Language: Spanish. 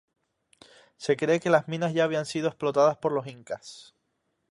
Se cree que las minas ya habían sido explotadas por los Incas.